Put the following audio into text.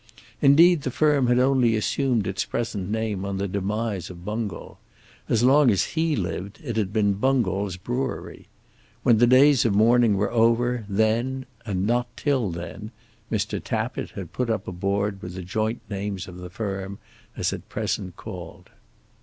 Indeed the firm had only assumed its present name on the demise of Bungall. As long as he had lived it had been Bungall's brewery. When the days of mourning were over, then and not till then Mr. Tappitt had put up a board with the joint names of the firm as at present called.